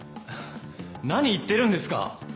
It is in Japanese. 何言ってるんですか